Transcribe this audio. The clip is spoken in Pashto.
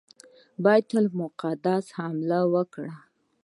پر بیت المقدس حمله وکړه.